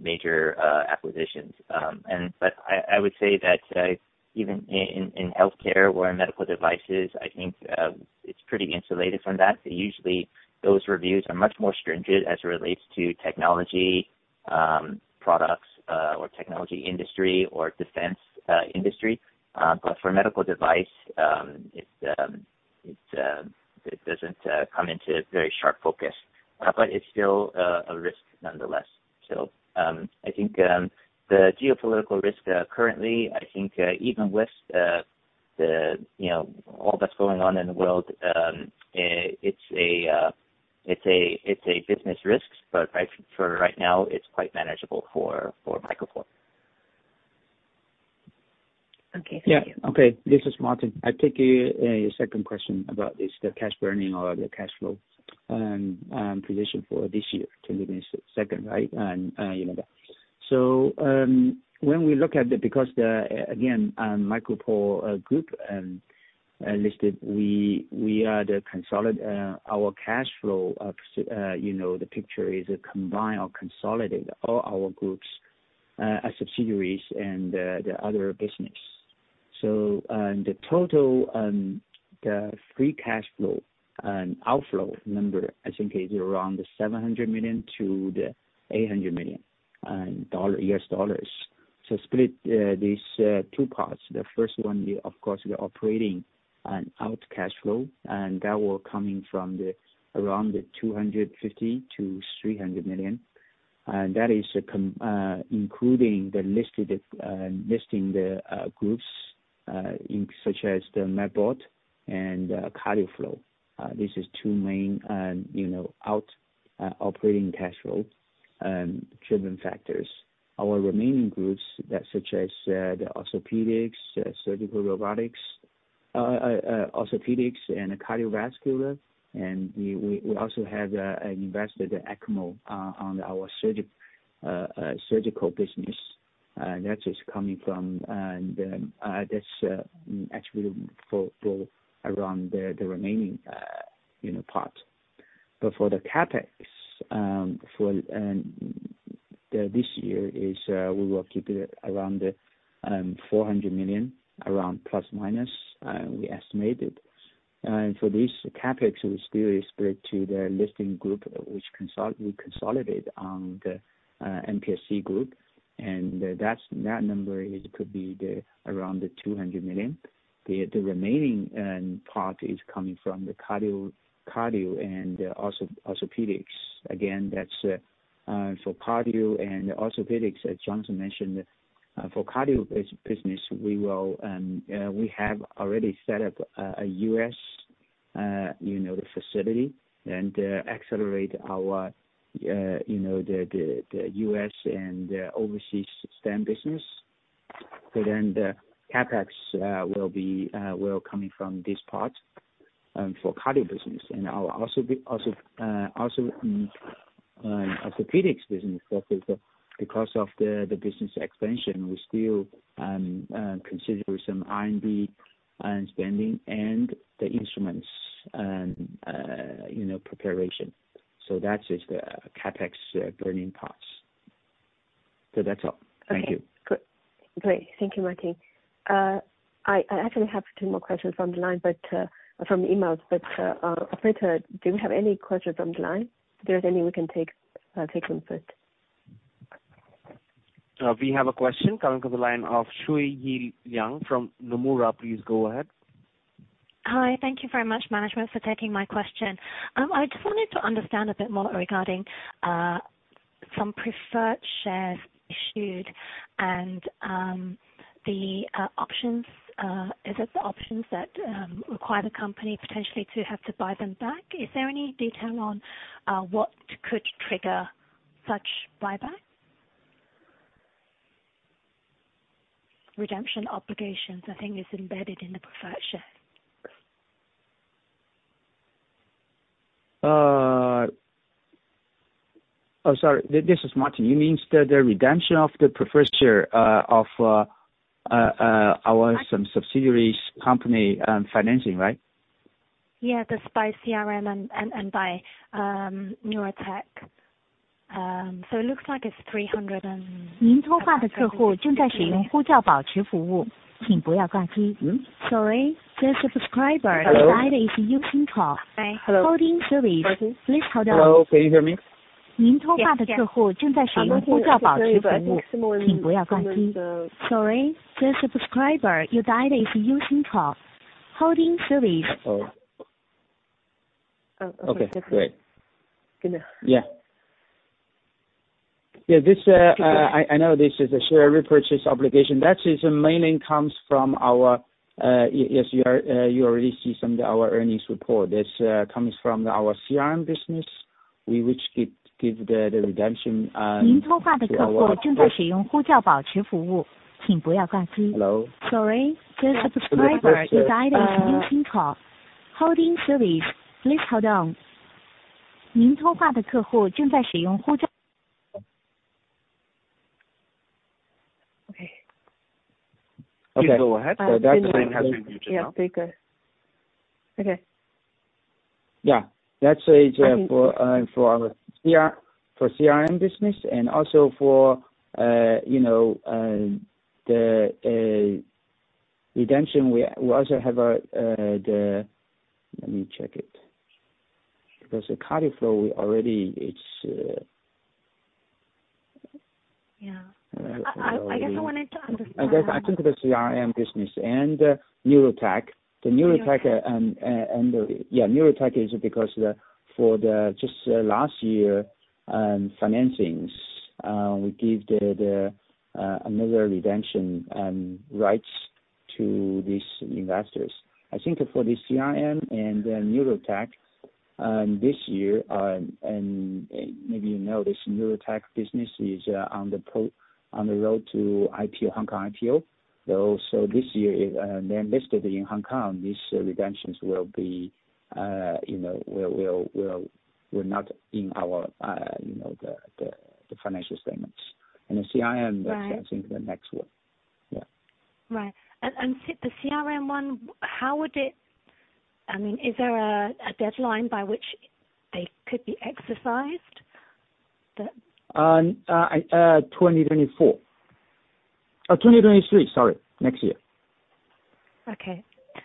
major acquisitions. I would say that even in healthcare or in medical devices, I think it's pretty insulated from that. Usually, those reviews are much more stringent as it relates to technology products or technology industry or defense industry. For medical device it doesn't come into very sharp focus, but it's still a risk nonetheless. I think the geopolitical risk currently, even with the, you know, all that's going on in the world, it's a business risk, but for right now, it's quite manageable for MicroPort. Okay. Thank you. Yeah. Okay. This is Martin. I take a second question about this, the cash burning or the cash flow position for this year. Give me second, right? You know that. When we look at it, because the, again, MicroPort Group listed, we are the consolidated our cash flow, you know, the picture is combined or consolidated all our groups as subsidiaries and the other business. The total, the free cash flow and outflow number, I think is around the $700 million-$800 million US dollars. Split these two parts. The first one is of course the operating and cash outflow, and that will coming from the around the $250 million-$300 million. And that is com... Including the listed groups, such as the MedBot and CardioFlow. This is two main, you know, operating cash flow driven factors. Our remaining groups such as the orthopedics, surgical robotics, orthopedics and cardiovascular, and we also have invested the ECMO on our surgical business. That is coming from this actually for around the remaining, you know, part. But for the CapEx for this year, we will keep it around the $400 million ±, we estimated. For this CapEx, we still spread to the listing group, which we consolidate on the MPSC group. That number could be around the $200 million. The remaining part is coming from the cardio and also orthopedics. Again, that's for cardio and orthopedics, as Johnson mentioned. For cardio business, we have already set up a U.S. facility and accelerate our you know the U.S. and overseas stent business. The CapEx will be coming from this part for cardio business. And also our orthopedics business because of the business expansion, we still consider some R&D and spending and the instruments and you know preparation. That is the CapEx earning parts. That's all. Thank you. Okay. Good. Great. Thank you, Martin. I actually have two more questions on the line, but from the emails. Operator, do you have any questions on the line? If there is any, we can take them first. We have a question coming to the line of Shelley Yang from Nomura. Please go ahead. Hi. Thank you very much, management for taking my question. I just wanted to understand a bit more regarding some preferred shares issued and the options. Is it the options that require the company potentially to have to buy them back? Is there any detail on what could trigger such buyback? Redemption obligations, I think is embedded in the preferred share. This is Martin. You mean the redemption of the preferred share of our subsidiary company financing, right? Yeah. The Sorin CRM and by NeuroTech. It looks like it's 300 and- Sorry. The subscriber you dialed is using talk- Hi. Holding service. Hello. Please hold on. Hello. Can you hear me? Sorry. The subscriber you dialed is using talk holding service. Uh-oh. Oh, okay. Okay, great. Good now. Yeah. I know this is a share repurchase obligation. That mainly comes from our CRM business. Yes, you already see in our earnings report. This comes from our CRM business. We wish give the redemption to our- Sorry. The subscriber you dialed is using talk holding service. Please hold on. Okay. Okay. Please go ahead. So that's- Yeah. Okay. Good. Okay. Yeah. That's for our CRM business and also for, you know, the redemption. We also have the. Let me check it. Because the CardioFlow we already it's. Yeah. I guess I wanted to understand. I guess I think the CRM business and NeuroTech. The NeuroTech, and the, yeah, NeuroTech is because the, for the just last year, financings, we give the, another redemption rights to these investors. I think for the CRM and then NeuroTech, this year, and maybe you know this NeuroTech business is on the road to IPO, Hong Kong IPO, though, so this year, they're listed in Hong Kong. These redemptions will be, you know, will not in our, you know, the financial statements. The CRM- Right. I think the next one. Yeah. Right. The CRM one, I mean, is there a deadline by which they could be exercised? 2024. 2023, sorry. Next year. Okay.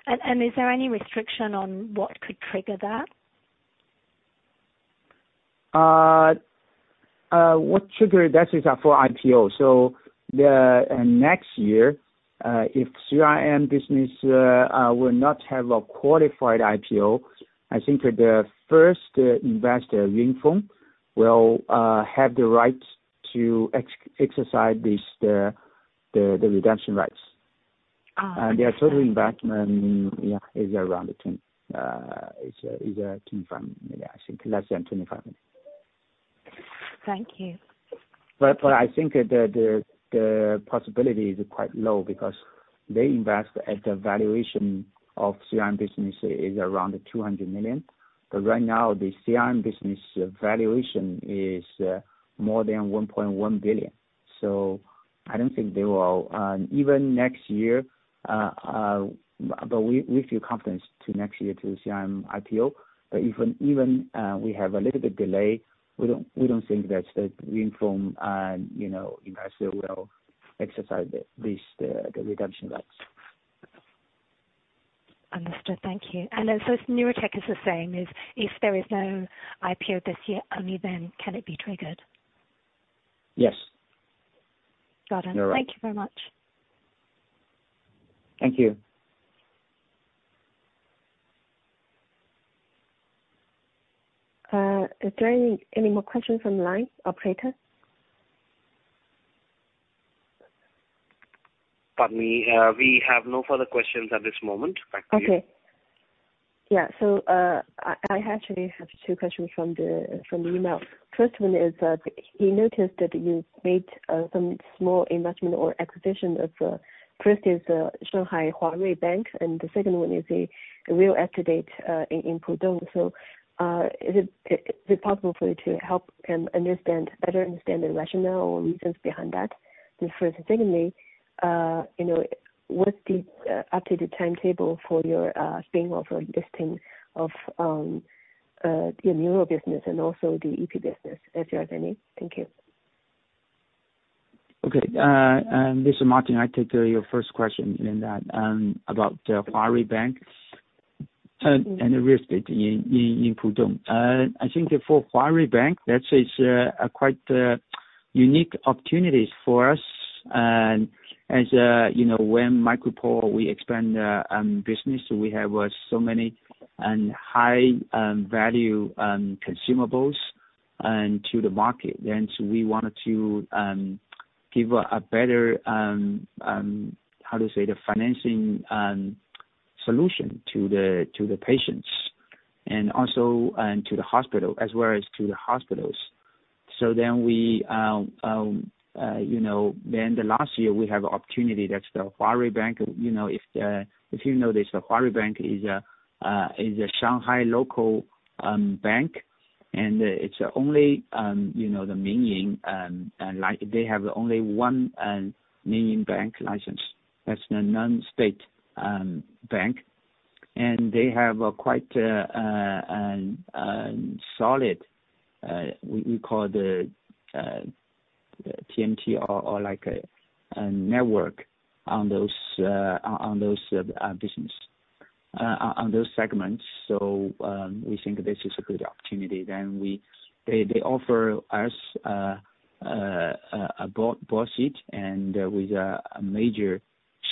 Is there any restriction on what could trigger that? What the trigger is for IPO. Next year, if CRM business will not have a qualified IPO, I think the first investor, Yunfeng, will have the rights to exercise the redemption rights. Ah. Their total investment is around $10 million. It's $10 million from maybe, I think less than $25 million. Thank you. I think the possibility is quite low because they invest at the valuation of CRM business is around $200 million. Right now the CRM business valuation is more than $1.1 billion. I don't think they will even next year. We feel confidence to next year to CRM IPO. Even we have a little bit delay, we don't think that the Yunfeng you know investor will exercise the redemption rights. Understood. Thank you. NeuroTech is the same, is if there is no IPO this year, only then can it be triggered. Yes. Got it. You're right. Thank you very much. Thank you. Is there any more questions on the line, operator? Pardon me. We have no further questions at this moment. Back to you. Okay. Yeah. I actually have two questions from the email. First one is that he noticed that you've made some small investment or acquisition, first is Shanghai Huarui Bank, and the second one is a real estate in Pudong. Is it possible for you to help better understand the rationale or reasons behind that, the first. Secondly, you know, what's the updated timetable for your thing of, like, listing of your neuro business and also the EP business, if you have any. Thank you. Okay. This is Martin. I take your first question about the Huarui Bank and the real estate in Pudong. I think for Huarui Bank, that is a quite unique opportunities for us. As you know, when MicroPort we expand business, we have so many and high value consumables to the market. We wanted to give a better how to say the financing solution to the patients and also to the hospitals. We you know the last year we have opportunity. That's the Huarui Bank. You know, if the If you know this, the Huarui Bank is a Shanghai local bank, and it's only, you know, the Minying like they have only one Minying bank license. That's a non-state bank. They have a quite solid, we call the TMT or like a network on those business segments. We think this is a good opportunity. They offer us a board seat and with a major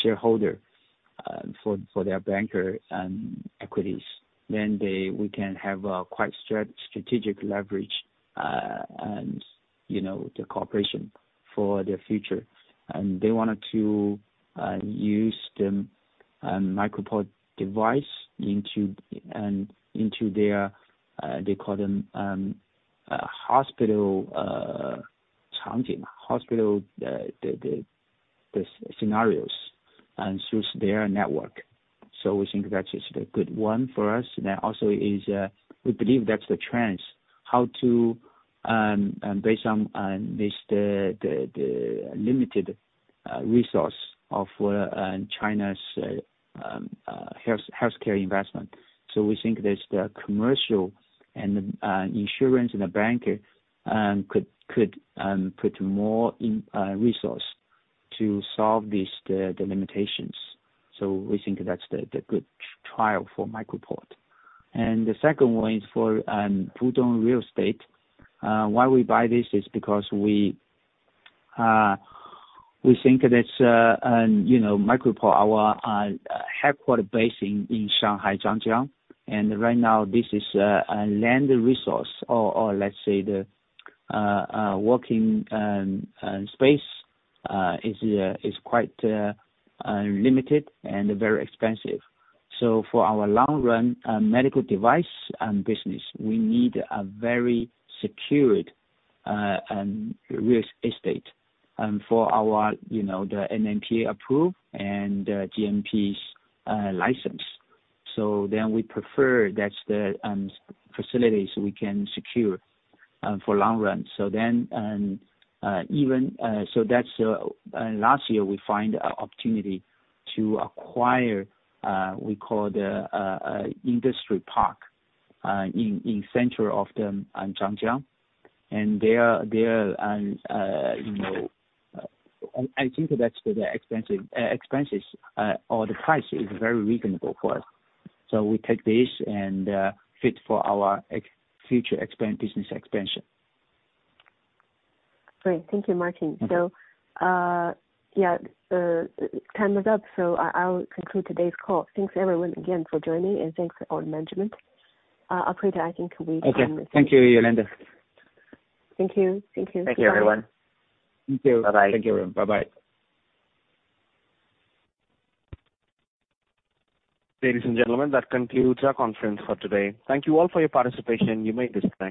shareholder for their bank equities. We can have a quite strategic leverage, and, you know, the cooperation for the future. They wanted to use the MicroPort device into their, they call them hospital chain, the scenarios and through their network. We think that is the good one for us. That also is, we believe that's the trends how to based on this, the limited resource of China's healthcare investment. We think that the commercial and the insurance and the banking could put more resources to solve the limitations. We think that's the good trial for MicroPort. The second one is for Pudong Real Estate. Why we buy this is because we think that's, you know, MicroPort, our headquarter base in Shanghai, Zhangjiang. Right now this is a land resource or let's say the working space is quite limited and very expensive. For our long run medical device and business, we need a very secured real estate for our, you know, the NMPA approved and GMP license. We prefer that the facilities we can secure for long run. Even so last year we find an opportunity to acquire what we call the industry park in center of the Zhangjiang. Their you know I think that the expense or the price is very reasonable for us. We take this and fit for our future expansion business expansion. Great. Thank you, Martin. Mm-hmm. Time is up, so I'll conclude today's call. Thanks everyone again for joining and thanks to all management. Operator, I think can we end this? Okay. Thank you, Yolanda. Thank you. Thank you. Thank you, everyone. Thank you. Bye-bye. Thank you, everyone. Bye-bye. Ladies and gentlemen, that concludes our conference for today. Thank you all for your participation. You may disconnect.